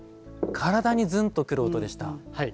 体にズンと来る音でした。